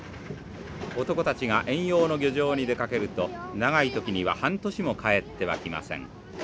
男たちが遠洋の漁場に出かけると長い時には半年も帰ってはきません。